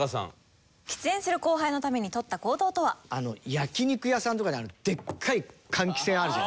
焼き肉屋さんとかにあるでっかい換気扇あるじゃん。